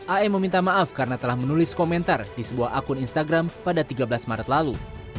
am meminta maaf karena telah menulis komentar di sebuah akun instagram pada tiga belas maret lalu